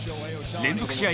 連続試合